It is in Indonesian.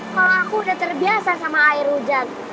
kalau aku udah terbiasa sama air hujan